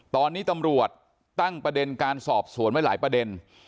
ตอนนี้ตำรวจตั้งประเด็นการสอบสวนไว้หลายประเด็น